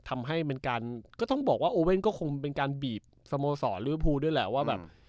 ทำให้เป็นการก็ต้องบอกว่าโอเว่นก็คงเป็นการบีบสโมสรลิเวภูด้วยแหละว่าแบบ